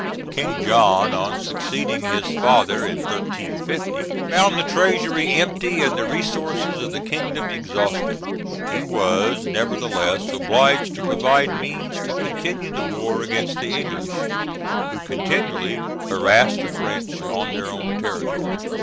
King John, on succeeding his father in 1350, found the treasury empty and the resources of the kingdom exhausted. He was nevertheless obliged to provide means to continue the war against the English, who continually harassed the French on their own territory.